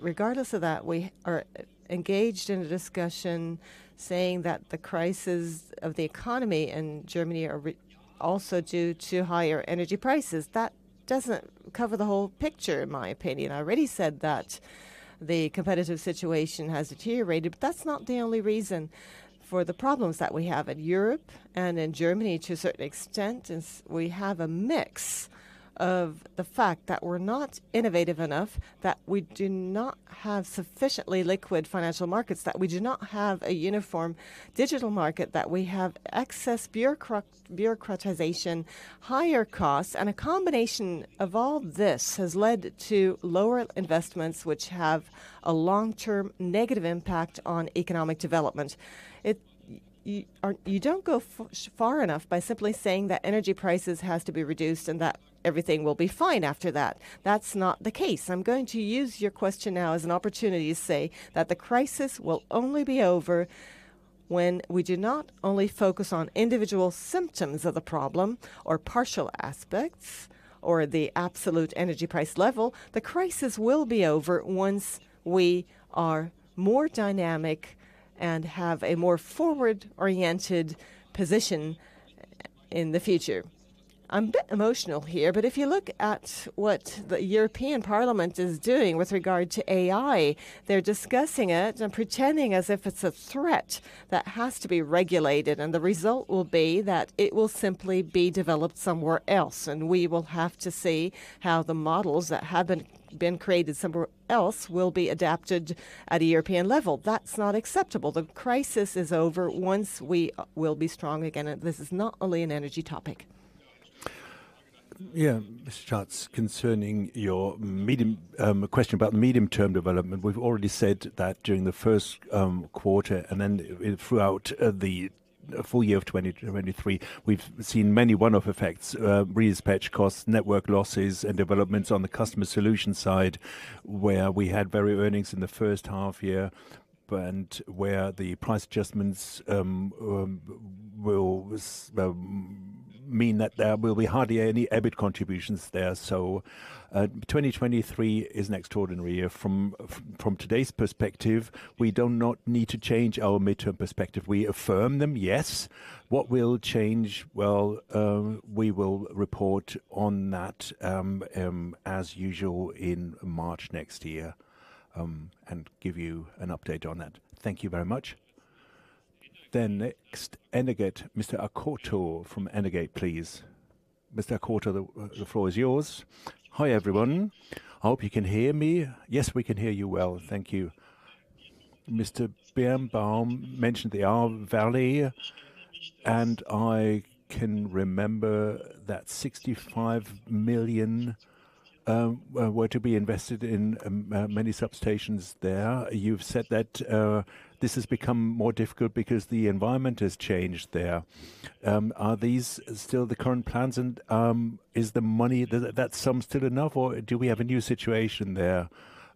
Regardless of that, we are engaged in a discussion saying that the crisis of the economy in Germany are also due to higher energy prices. That doesn't cover the whole picture, in my opinion. I already said that the competitive situation has deteriorated, but that's not the only reason for the problems that we have in Europe and in Germany to a certain extent. It's, we have a mix of the fact that we're not innovative enough, that we do not have sufficiently liquid financial markets, that we do not have a uniform digital market, that we have excess bureaucratization, higher costs, and a combination of all this has led to lower investments, which have a long-term negative impact on economic development. You don't go far enough by simply saying that energy prices has to be reduced and that everything will be fine after that. That's not the case. I'm going to use your question now as an opportunity to say that the crisis will only be over when we do not only focus on individual symptoms of the problem or partial aspects or the absolute energy price level. The crisis will be over once we are more dynamic and have a more forward-oriented position in the future. I'm a bit emotional here. If you look at what the European Parliament is doing with regard to AI, they're discussing it and pretending as if it's a threat that has to be regulated, and the result will be that it will simply be developed somewhere else, and we will have to see how the models that have been created somewhere else will be adapted at a European level. That's not acceptable. The crisis is over once we will be strong again, and this is not only an energy topic. Yeah, Mr. Schatz, concerning your medium question about the medium-term development, we've already said that during the first quarter and then throughout the full year of 2023, we've seen many one-off effects, dispatch costs, network losses, and developments on the customer solution side, where we had varied earnings in the first half year and where the price adjustments will mean that there will be hardly any EBIT contributions there. 2023 is an extraordinary year. From today's perspective, we do not need to change our midterm perspective. We affirm them, yes. What will change? Well, we will report on that as usual in March next year and give you an update on that. Thank you very much. Next, energate. Mr. Akoto from energate, please. Mr. Akoto, the floor is yours. Hi, everyone. I hope you can hear me. Yes, we can hear you well. Thank you. Mr. Birnbaum mentioned the Ahrtal Valley. I can remember that 65 million were to be invested in many substations there. You've said that this has become more difficult because the environment has changed there. Are these still the current plans, and is the money, that, that sum still enough, or do we have a new situation there?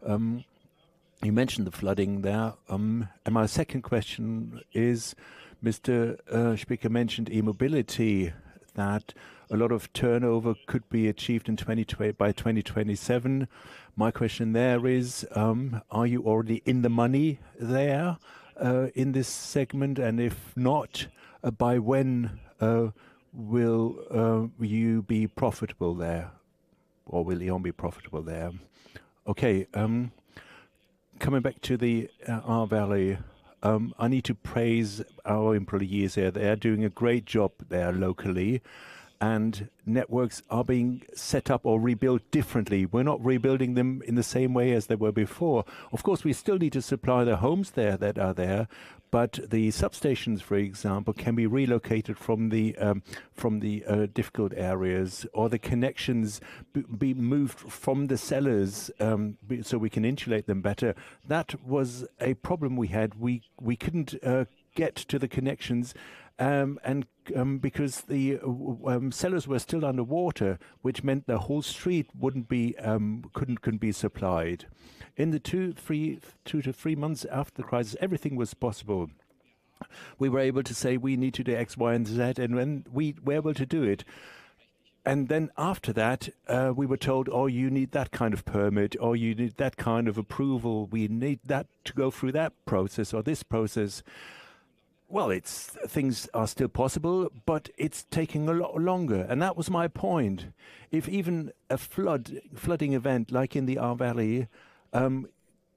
You mentioned the flooding there. My second question is, Mr. Spieker mentioned e-mobility, that a lot of turnover could be achieved by 2027. My question there is, are you already in the money there in this segment? If not, by when will you be profitable there, or will E.ON be profitable there? Okay, coming back to the Ahrtal Valley, I need to praise our employees there. They are doing a great job there locally, and networks are being set up or rebuilt differently. We're not rebuilding them in the same way as they were before. Of course, we still need to supply the homes there that are there, but the substations, for example, can be relocated from the from the difficult areas or the connections be moved from the cellars, so we can insulate them better. That was a problem we had. We, we couldn't get to the connections, and because the cellars were still underwater, which meant the whole street wouldn't be, couldn't, couldn't be supplied. In the two, three, two to three months after the crisis, everything was possible. We were able to say: We need to do X, Y, and Z, and when-- we were able to do it. After that, we were told, "Oh, you need that kind of permit," or, "You need that kind of approval. We need that to go through that process or this process." Well, it's... things are still possible, but it's taking a lot longer, and that was my point. If even a flood, flooding event like in the Ahrtal Valley,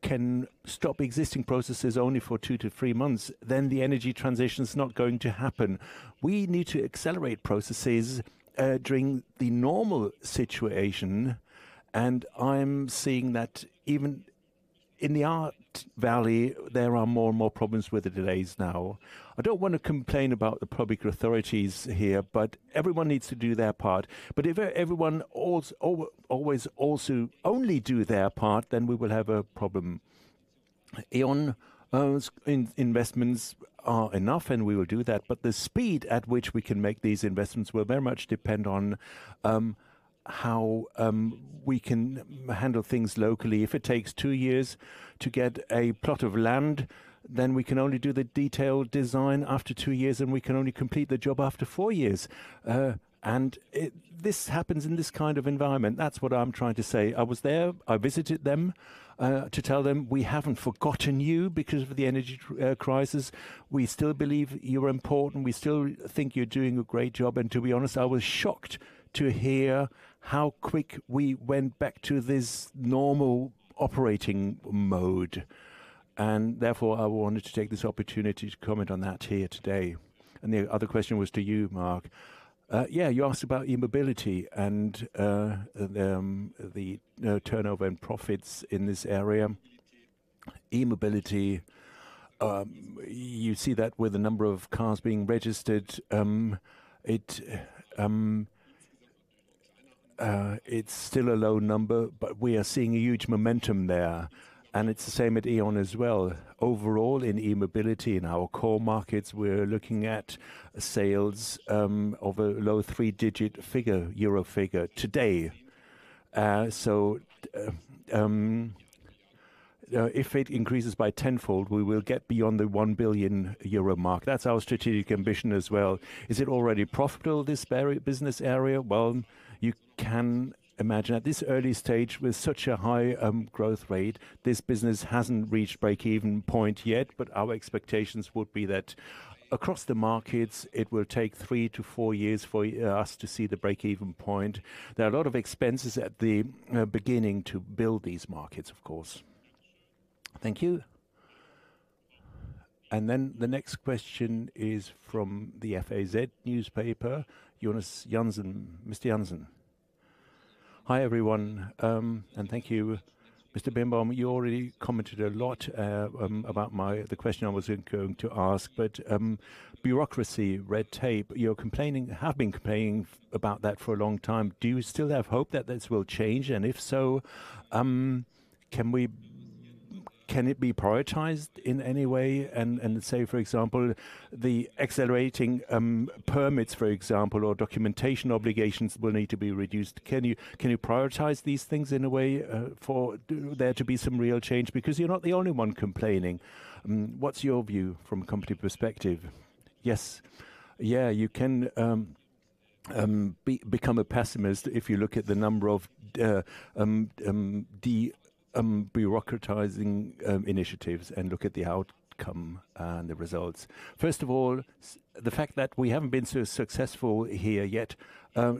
can stop existing processes only for two to three months, then the energy transition's not going to happen. We need to accelerate processes during the normal situation, and I'm seeing that even in the Ahr Valley, there are more and more problems with the delays now. I don't want to complain about the public authorities here, but everyone needs to do their part. If everyone always also only do their part, then we will have a problem. E.ON investments are enough, and we will do that, but the speed at which we can make these investments will very much depend on how we can handle things locally. If it takes two years to get a plot of land, then we can only do the detailed design after two years, and we can only complete the job after four years. It, this happens in this kind of environment. That's what I'm trying to say. I was there. I visited them to tell them: We haven't forgotten you because of the energy crisis. We still believe you're important. We still think you're doing a great job. To be honest, I was shocked to hear how quick we went back to this normal operating mode, and therefore, I wanted to take this opportunity to comment on that here today. The other question was to you, Marc. Yeah, you asked about e-mobility and the turnover and profits in this area. E-mobility, you see that with the number of cars being registered, it's still a low number, but we are seeing a huge momentum there, and it's the same at E.ON as well. Overall, in e-mobility, in our core markets, we're looking at sales of a low three-digit figure, euro figure today. If it increases by tenfold, we will get beyond the 1 billion euro mark. That's our strategic ambition as well. Is it already profitable, this vary, business area? Well, you can imagine at this early stage, with such a high growth rate, this business hasn't reached breakeven point yet. Our expectations would be that across the markets, it will take three to four years for us to see the breakeven point. There are a lot of expenses at the beginning to build these markets, of course. Thank you. The next question is from the FAZ newspaper, Jonas Jansen. Mr. Jansen? Hi, everyone, thank you, Mr. Birnbaum. You already commented a lot about my, the question I was going to ask, bureaucracy, red tape, you're complaining, have been complaining about that for a long time. Do you still have hope that this will change, and if so, can it be prioritized in any way? Say, for example, the accelerating permits, for example, or documentation obligations will need to be reduced. Can you, can you prioritize these things in a way for there to be some real change? You're not the only one complaining. What's your view from a company perspective? Yes. Yeah, you can become a pessimist if you look at the number of bureaucratizing initiatives and look at the outcome and the results. First of all, the fact that we haven't been so successful here yet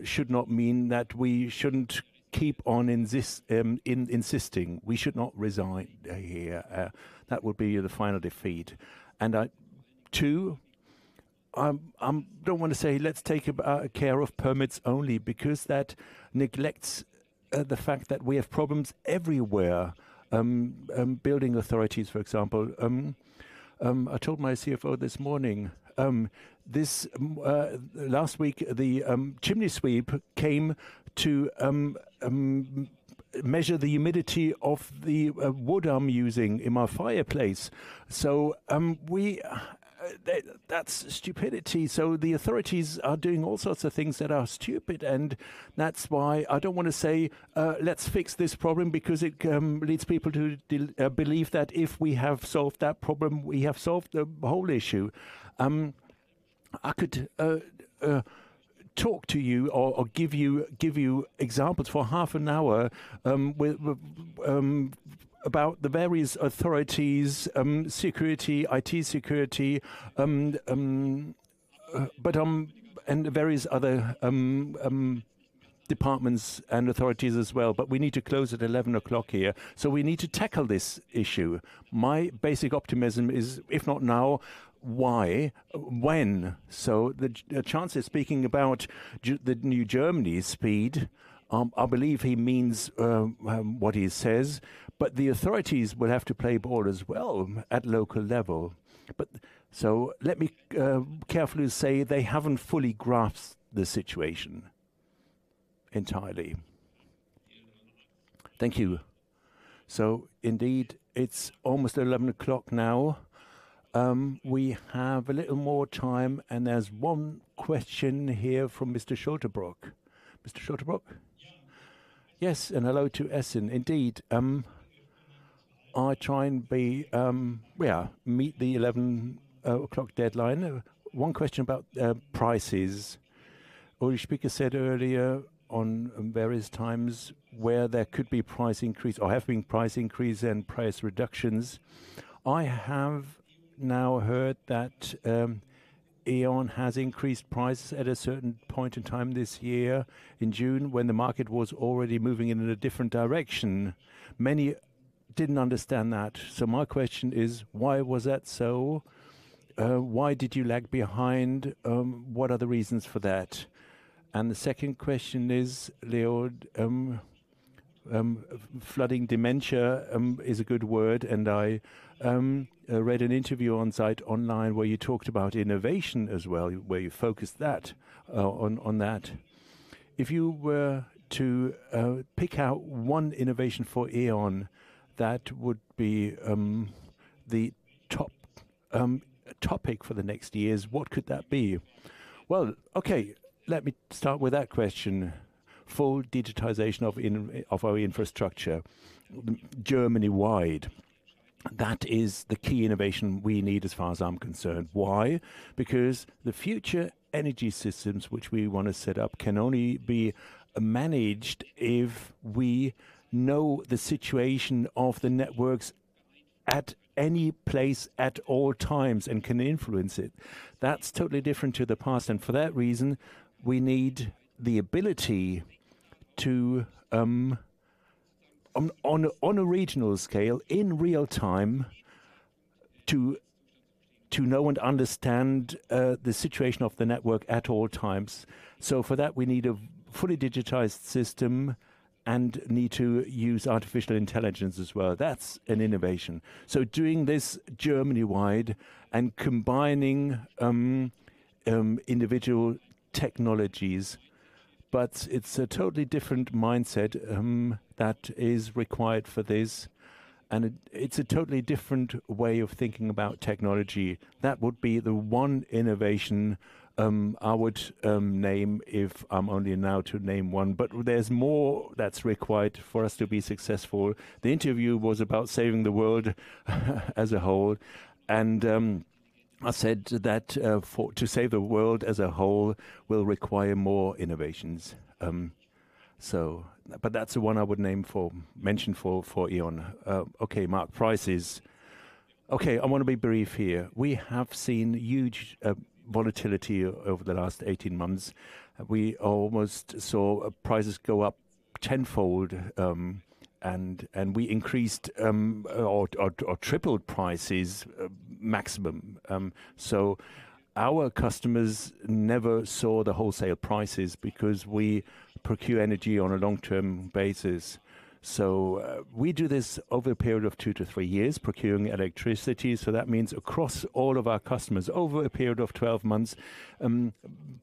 should not mean that we shouldn't keep on insisting. We should not resign here. That would be the final defeat. I, two, I'm, I'm don't want to say let's take care of permits only, because that neglects the fact that we have problems everywhere, building authorities, for example. I told my CFO this morning, this last week, the chimney sweep came to measure the humidity of the wood I'm using in my fireplace. We that, that's stupidity. The authorities are doing all sorts of things that are stupid, and that's why I don't wanna say, "Let's fix this problem," because it leads people to del- believe that if we have solved that problem, we have solved the whole issue. I could talk to you or give you examples for half an hour with about the various authorities, security, IT security, and various other departments and authorities as well, but we need to close at 11 o'clock here. We need to tackle this issue. My basic optimism is, if not now, why? When? The chances speaking about the New Germany Speed, I believe he means what he says, but the authorities will have to play ball as well at local level. Let me carefully say they haven't fully grasped the situation entirely. Thank you. Indeed, it's almost 11 o'clock now. We have a little more time, and there's one question here from Mr. Schulte-Brock. Mr. Schulte-Brock? Yeah. Yes, hello to Essen. Indeed, I try and be, yeah, meet the 11 o'clock deadline. One question about prices. Our speaker said earlier on, various times where there could be price increase or have been price increase and price reductions. I have now heard that E.ON has increased prices at a certain point in time this year, in June, when the market was already moving in a different direction. Many didn't understand that, so my question is: Why was that so? Why did you lag behind? What are the reasons for that? The second question is, Leo, flooding dementia is a good word, and I read an interview on Zeit Online where you talked about innovation as well, where you focused that on, on that. If you were to pick out one innovation for E.ON, that would be the topic for the next years, what could that be? Well, okay, let me start with that question: full digitization of our infrastructure, Germany-wide. That is the key innovation we need, as far as I'm concerned. Why? Because the future energy systems which we want to set up can only be managed if we know the situation of the networks at any place, at all times, and can influence it. That's totally different to the past, for that reason, we need the ability to on a regional scale, in real time, to know and understand the situation of the network at all times. For that, we need a fully digitized system and need to use artificial intelligence as well. That's an innovation. Doing this Germany-wide and combining individual technologies. But it's a totally different mindset that is required for this, and it's a totally different way of thinking about technology. That would be the one innovation I would name if I'm only now to name one. But there's more that's required for us to be successful. The interview was about saving the world as a whole. I said that to save the world as a whole will require more innovations. That's the one I would name for, mention for, for E.ON. Okay, Marc prices. Okay, I wanna be brief here. We have seen huge volatility over the last 18 months. We almost saw prices go up tenfold, and we increased or tripled prices maximum. Our customers never saw the wholesale prices because we procure energy on a long-term basis. We do this over a period of two to three years, procuring electricity, so that means across all of our customers, over a period of 12 months,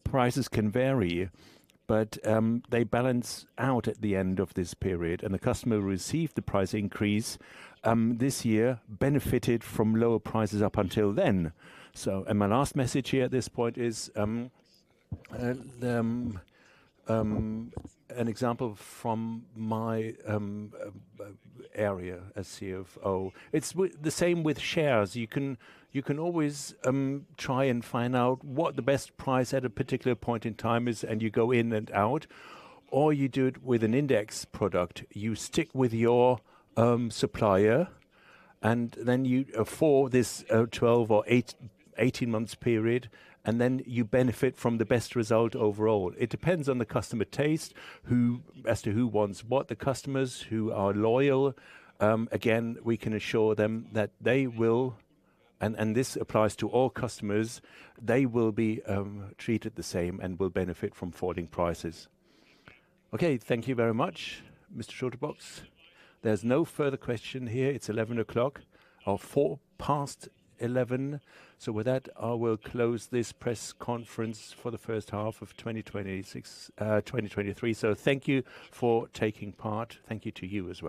prices can vary, but they balance out at the end of this period. The customer who received the price increase this year benefited from lower prices up until then. My last message here at this point is an example from my area as CFO: It's the same with shares. You can, you can always try and find out what the best price at a particular point in time is, and you go in and out, or you do it with an index product. You stick with your supplier, then you for this 12 or eight months period, then you benefit from the best result overall. It depends on the customer taste, as to who wants what. The customers who are loyal, again, we can assure them that they will... and this applies to all customers, they will be treated the same and will benefit from falling prices. Okay, thank you very much, Mr. Schulte-Brock. There's no further question here. It's 11:00 or 4 past 11. With that, I will close this press conference for the first half of 2026, 2023. Thank you for taking part. Thank you to you as well.